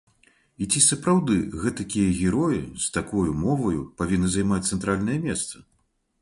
І ці сапраўды гэтакія героі, з такою моваю, павінны займаць цэнтральнае месца?